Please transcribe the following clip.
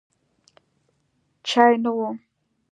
چای نه و.